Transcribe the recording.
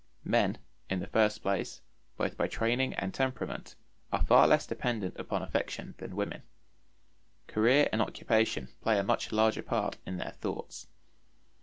Men, in the first place, both by training and temperament, are far less dependent upon affection than women. Career and occupation play a much larger part in their thoughts.